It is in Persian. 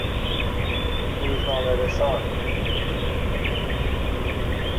روزنامه رسان